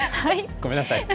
ごめんなさい。